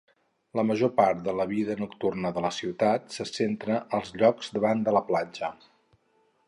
La major part de la vida nocturna de la ciutat se centra als llocs davant de la platja.